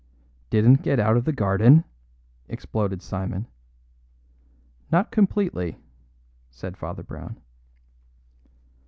"Didn't get out of the garden?" exploded Simon. "Not completely," said Father Brown.